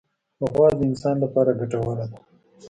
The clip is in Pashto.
غوا د انسان لپاره ګټوره ده.